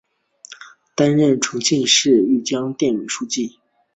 担任重庆市綦江县委书记。